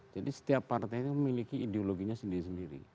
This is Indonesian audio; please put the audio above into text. jadi setiap partai itu memiliki ideologinya sendiri sendiri